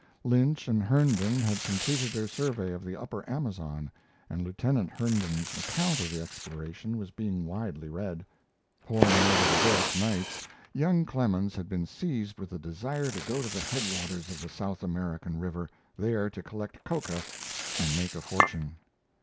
Lynch and Herndon had completed their survey of the upper Amazon, and Lieutenant Herndon's account of the exploration was being widely read. Poring over the book nights, young Clemens had been seized with a desire to go to the headwaters of the South American river, there to collect coca and make a fortune.